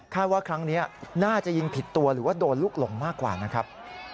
ว่าครั้งนี้น่าจะยิงผิดตัวหรือว่าโดนลูกหลงมากกว่านะครับ